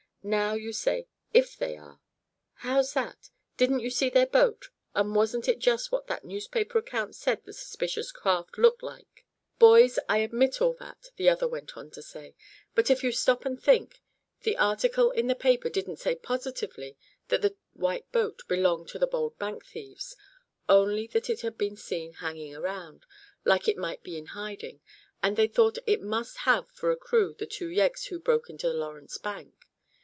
Now you say 'if they are.' How's that? Didn't you see their boat, and wasn't it just what that newspaper account said the suspicious craft looked like." "Boys, I admit all that," the other went on to say, "but if you stop and think, the article in the paper didn't say positively that the white boat belonged to the bold bank thieves only that it had been seen hanging around, like it might be in hiding, and they thought it must have for a crew the two yeggs who broke into the Lawrence bank.